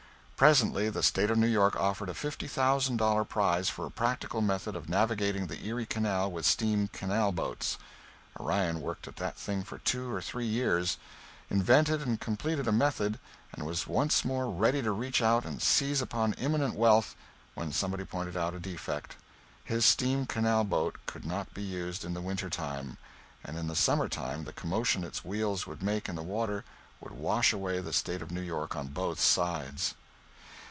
Presently the State of New York offered a fifty thousand dollar prize for a practical method of navigating the Erie Canal with steam canal boats. Orion worked at that thing for two or three years, invented and completed a method, and was once more ready to reach out and seize upon imminent wealth when somebody pointed out a defect: his steam canal boat could not be used in the winter time; and in the summer time the commotion its wheels would make in the water would wash away the State of New York on both sides.